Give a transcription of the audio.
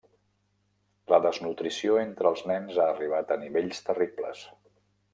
La desnutrició entre els nens ha arribat a nivells terribles.